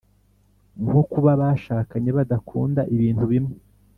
nko kuba abashakanye badakunda ibintu bimwe